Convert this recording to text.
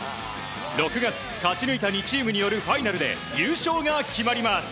６月、勝ち抜いた２チームによるファイナルで優勝が決まります。